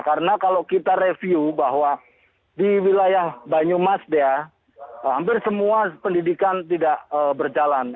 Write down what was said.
karena kalau kita review bahwa di wilayah banyumas ya hampir semua pendidikan tidak berjalan